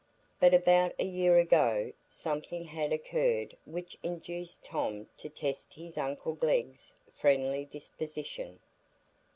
But about a year ago, something had occurred which induced Tom to test his uncle Glegg's friendly disposition.